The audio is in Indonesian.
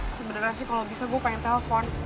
sebenernya sih kalo bisa gue pengen telfon